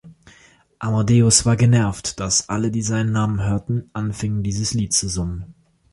Amadeus war genervt, dass alle die seinen Namen hörten, anfingen dieses Lied zu summen.